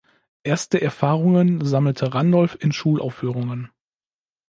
Erste Erfahrungen sammelte Randolph in Schulaufführungen.